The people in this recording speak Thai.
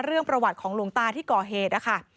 ประวัติของหลวงตาที่ก่อเหตุนะคะ